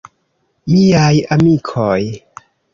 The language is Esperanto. Miaj amikoj.